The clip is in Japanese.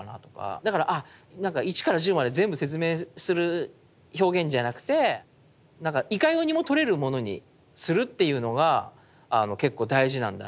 だから１から１０まで全部説明する表現じゃなくていかようにも取れるものにするっていうのが結構大事なんだなって思って。